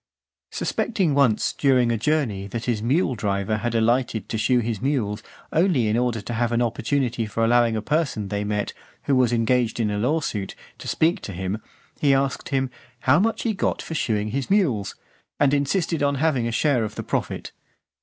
Suspecting once, during a journey, that his mule driver had alighted to shoe his mules, only in order to have an opportunity for allowing a person they met, who was engaged in a law suit, to speak to him, he asked him, "how much he got for shoeing his mules?" and insisted on having a share of the profit.